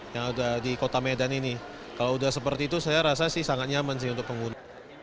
yang ada di kota medan ini kalau udah seperti itu saya rasa sih sangat nyaman sih untuk pengguna